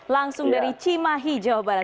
langsung dari cimahi jawa barat